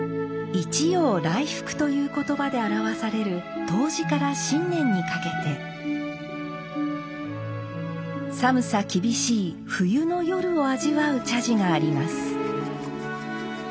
「一陽来復」という言葉で表される冬至から新年にかけて寒さ厳しい冬の夜を味わう茶事があります。